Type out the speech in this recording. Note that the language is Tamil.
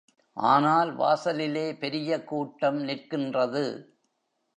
ஆனால் வாசலிலே பெரிய கூட்டம் நிற்கின்றது.